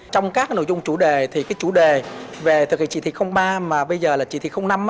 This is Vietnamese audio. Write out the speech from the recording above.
trong các cái nội dung chủ đề thì cái chủ đề về thực hiện trị thị ba mà bây giờ là trị thị năm